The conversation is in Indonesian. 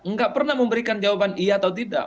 nggak pernah memberikan jawaban iya atau tidak